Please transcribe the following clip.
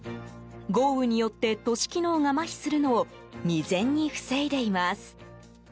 豪雨によって都市機能がまひするのを未然に防いでいます。